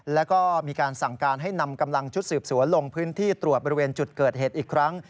แล้วก็มีการสั่งการให้นำกำลังชุดสืบสวนลงพื้นที่ตรวจบริเวณจุดเกิดเหตุอีกครั้ง